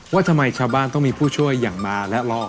ว่าทำไมชาวบ้านต้องมีผู้ช่วยอย่างมาและรอ